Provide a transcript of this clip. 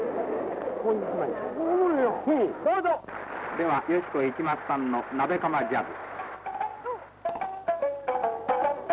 「では芳子・市松さんの鍋釜ジャズ」。